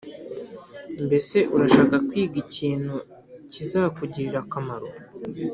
Mbese urashaka kwiga ikintu kizakugirira akamaro